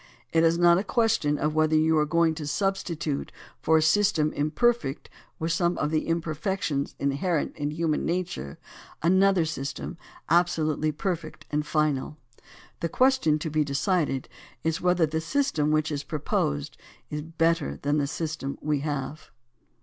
It is not a question of whether you are going to sub stitute for a system imperfect with some of the imper fections inherent in human nature another system absolutely perfect and final. The question to be de cided is whether the system which is proposed is better than the system we have.